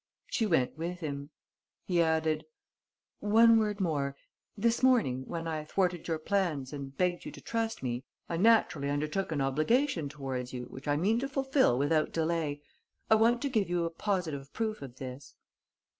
She went with him. He added: "One word more. This morning, when I thwarted your plans and begged you to trust me, I naturally undertook an obligation towards you which I mean to fulfill without delay. I want to give you a positive proof of this."